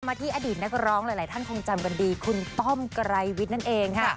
ที่อดีตนักร้องหลายท่านคงจำกันดีคุณต้อมไกรวิทย์นั่นเองค่ะ